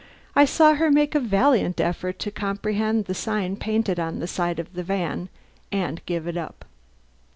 I saw her make a valiant effort to comprehend the sign painted on the side of the van and give it up.